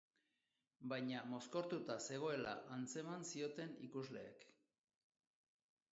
Baina mozkortuta zegoela antzeman zioten ikusleek.